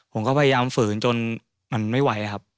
ผมก็พยายามฝืนจนมันไม่ไหวครับ